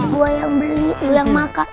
gue yang beli lu yang makan